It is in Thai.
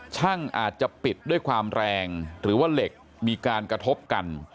ช่างอาจจะปิดด้วยความแรงหรือว่าเหล็กมีการกระทบกัน